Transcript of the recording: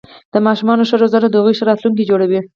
د ماشومانو ښه روزنه د هغوی ښه راتلونکې جوړوي.